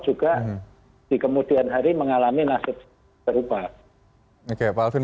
juga di kemudian hari mengalami nasib serupa